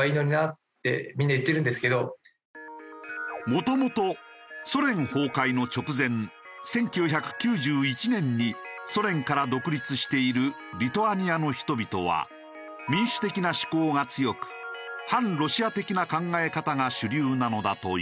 もともとソ連崩壊の直前１９９１年にソ連から独立しているリトアニアの人々は民主的な思考が強く反ロシア的な考え方が主流なのだという。